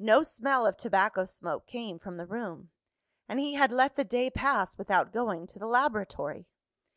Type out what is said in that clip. No smell of tobacco smoke came from the room; and he had let the day pass without going to the laboratory.